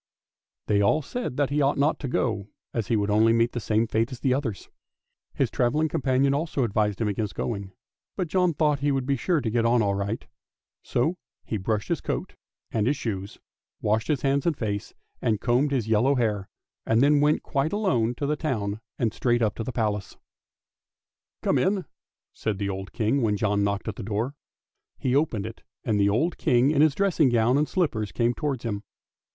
" They all said that he ought not to go as he would only meet the same fate as the others. His travelling companion also advised him against going, but John thought he would be sure to get on all right; so he brushed his coat and his shoes, washed his hands and face, and combed his yellow hair, and then went quite alone to the town and straight up to the Palace. " Come in," said the old King when John knocked at the door. He opened it, and the old King in his dressing gown and slippers came towards him.